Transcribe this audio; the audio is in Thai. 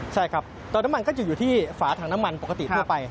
ใช่ครับตัวน้ำมันก็จะอยู่ที่ฝาถังน้ำมันปกติทั่วไป